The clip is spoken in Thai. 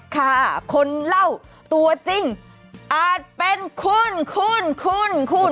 ค่ะคนเล่าตัวจริงอาจเป็นคุณคุณ